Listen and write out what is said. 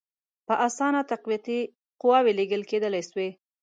په اسانه تقویتي قواوي لېږل کېدلای سوای.